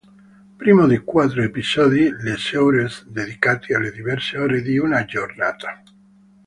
Primo di quattro episodi, "Les Heures", dedicati alle diverse ore di una giornata.